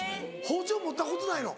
包丁持ったことないの？